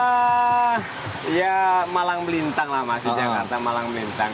wah ya malang melintang lah masih jakarta malang melintang